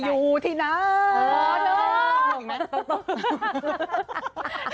ไปอยู่ที่นายหมอเลย